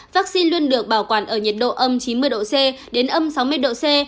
vaccine luôn được bảo quản ở nhiệt độ âm chín mươi độ c đến âm sáu mươi độ c